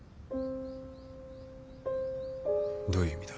どういう意味だ。